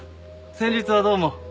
先日はどうも。